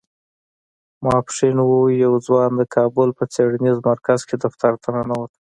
ماسپښين و يو ځوان د کابل په څېړنيز مرکز کې دفتر ته ننوت.